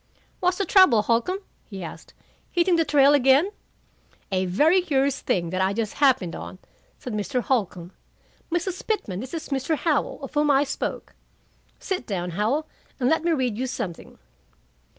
"What's the trouble, Holcombe?" he asked. "Hitting the trail again?" "A very curious thing that I just happened on," said Mr. Holcombe. "Mrs. Pitman, this is Mr. Howell, of whom I spoke. Sit down, Howell, and let me read you something."